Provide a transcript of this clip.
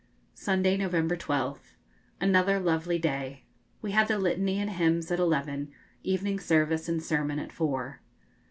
Sunday, November 12th. Another lovely day. We had the Litany and hymns at eleven, evening service and sermon at four.